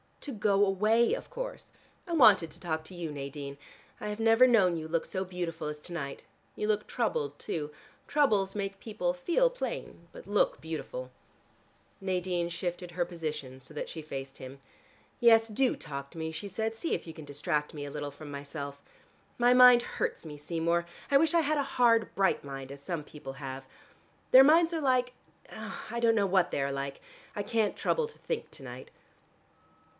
"To go away, of course. I wanted to talk to you, Nadine. I have never known you look so beautiful as to night. You look troubled too. Troubles make people feel plain but look beautiful." Nadine shifted her position, so that she faced him. "Yes, do talk to me," she said. "See if you can distract me a little from myself. My mind hurts me, Seymour. I wish I had a hard bright mind as some people have. Their minds are like ... I don't know what they are like: I can't trouble to think to night.